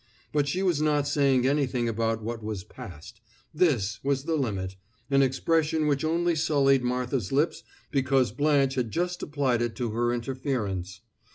But she was not saying anything about what was past. This was the limit; an expression which only sullied Martha's lips because Blanche had just applied it to her interference.